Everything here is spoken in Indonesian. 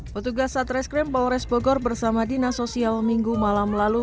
pertugas satreskrim paul resbogor bersama dinasosial minggu malam lalu